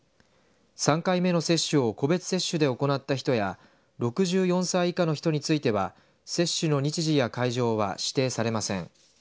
３回目の接種を個別接種で行った人や６４歳以下の人については接種の日時や会場は指定されません。